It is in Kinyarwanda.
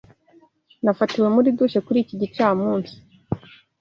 Nafatiwe muri douche kuri iki gicamunsi.